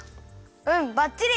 うんばっちり！